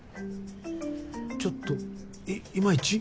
ちょっとイマイチ？